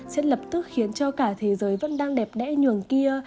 sẽ lập tức khiến cho cả thế giới vẫn đang đẹp đẽ nhường kia